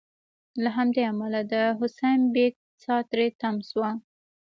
له همدې امله د حسین بېګ سا تری تم شوه.